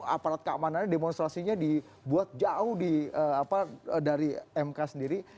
aparat keamanannya demonstrasinya dibuat jauh dari mk sendiri